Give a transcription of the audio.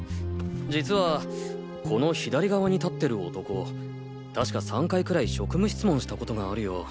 実はこの左側に立ってる男確か３回くらい職務質問したことがあるよ。